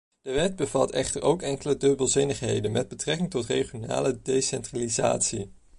De wet bevat echter ook enkele dubbelzinnigheden met betrekking tot regionale decentralisatie.